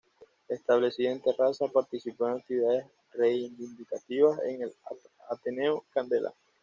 Establecida en Tarrasa, participó en actividades reivindicativas en el Ateneo Candela.